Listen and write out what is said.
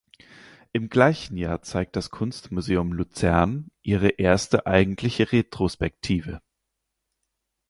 Im gleichen Jahr zeigt das Kunstmuseum Luzern ihre erste eigentliche Retrospektive.